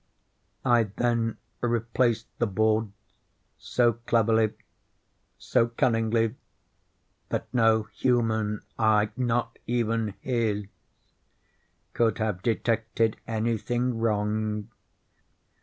I then replaced the boards so cleverly, so cunningly, that no human eye—not even his—could have detected any thing wrong.